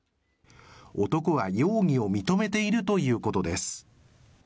男は容疑を認めているということです。